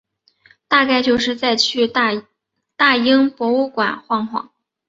大概就是再去大英博物馆晃晃